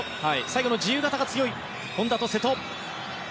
最後の自由形が強い本多と瀬戸。